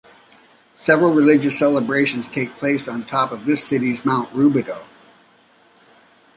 Several religious celebrations take place on top of the city's Mount Rubidoux.